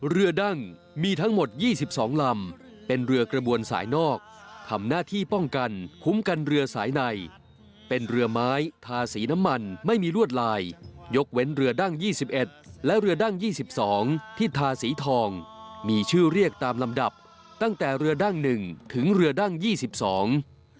เรือดั้งมีทั้งหมดยี่สิบสองลำเป็นเรือกระบวนสายนอกทำหน้าที่ป้องกันคุ้มกันเรือสายในเป็นเรือไม้ทาสีน้ำมันไม่มีลวดลายยกเว้นเรือดั้งยี่สิบเอ็ดและเรือดั้งยี่สิบสองที่ทาสีทองมีชื่อเรียกตามลำดับตั้งแต่เรือดั้งหนึ่งถึงเรือดั้งยี่สิบสอง